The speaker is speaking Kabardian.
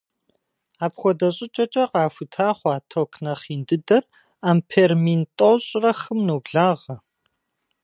Апхуэдэ щӏыкӏэкӏэ къахута хъуа ток нэхъ ин дыдэр ампер мин тӏощӏрэ хым ноблагъэ.